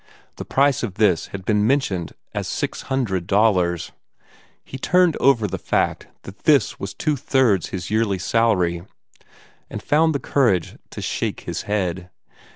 The price of this had been mentioned as $600. He turned over the fact that this was two thirds his yearly salary, and found the courage to shake his head.